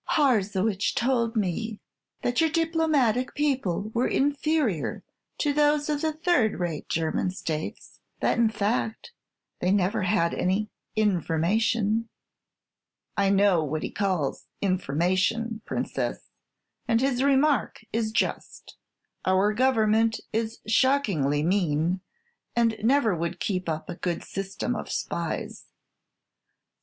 "Harzewitch told me that your diplomatic people were inferior to those of the third rate German States; that, in fact, they never had any 'information.'" "I know what he calls 'information,' Princess; and his remark is just. Our Government is shockingly mean, and never would keep up a good system of spies."